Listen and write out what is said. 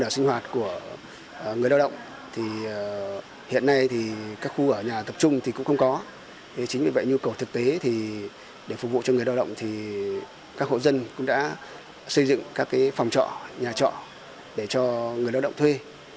xây dựng các phòng trọ nhà trọ để cho người lao động thuê